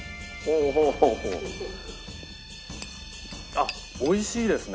あっ美味しいですね。